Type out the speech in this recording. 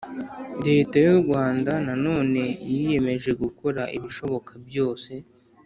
leta y'u rwanda na none yiyemeje gukora ibishoboka byose